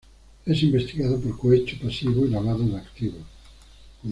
Es investigado por cohecho pasivo y lavado de activos.